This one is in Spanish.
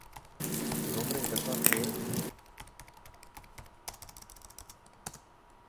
Su nombre en kazajo es "Алматинский зоопарк".